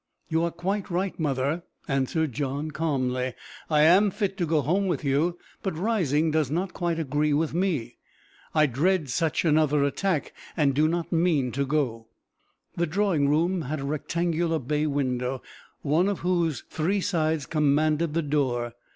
"You are quite right, mother," answered John calmly; "I am fit to go home with you. But Rising does not quite agree with me. I dread such another attack, and do not mean to go." The drawing room had a rectangular bay window, one of whose three sides commanded the door.